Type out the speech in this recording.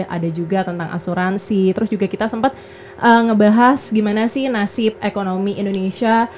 ada juga tentang asuransi terus juga kita sempat ngebahas gimana sih nasib ekonomi indonesia